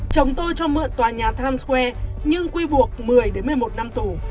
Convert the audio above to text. chồng tôi cho mượn tòa nhà times square nhưng quy buộc một mươi một mươi một năm tù